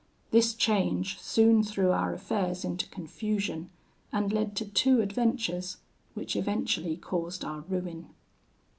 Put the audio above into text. This change soon threw our affairs into confusion, and led to two adventures, which eventually caused our ruin.